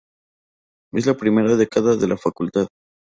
Es la primera decana de la Facultad.